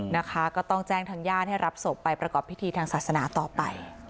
นะคะก็ต้องแจ้งทางญาติให้รับศพไปประกอบพิธีทางศาสนาต่อไป